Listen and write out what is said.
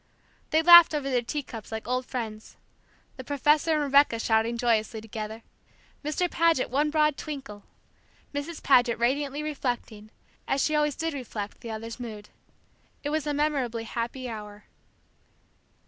They laughed over their teacups like old friends; the professor and Rebecca shouting joyously together, Mr. Paget one broad twinkle, Mrs. Paget radiantly reflecting, as she always did react, the others' mood. It was a memorably happy hour.